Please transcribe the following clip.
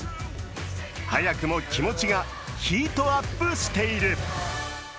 早くも気持ちがヒートアップしている。